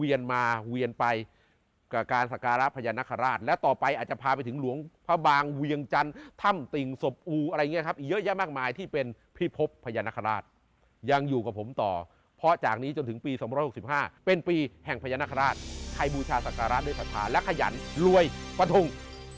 ยังอยู่กับผมต่อเพราะจากนี้จนถึงปี๒๖๕เป็นปีแห่งพญานคาราชใครบูชาศักดาลท์ได้ดีจัดผ่านและขยันรวยวันทุ่ง